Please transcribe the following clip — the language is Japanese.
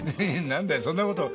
何だいそんな事。